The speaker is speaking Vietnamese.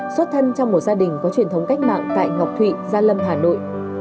xuất thân trong một gia đình có truyền thống cách mạng tại ngọc thụy gia lâm hà nội